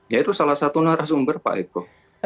ya itu salah satu narasumber pak eko